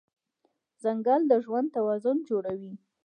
ځنګل د ژوند توازن جوړوي.